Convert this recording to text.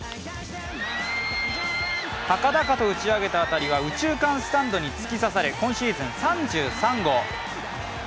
高々と打ち上げた当たりは、右中間スタンドに突き刺さる今シーズン３３号。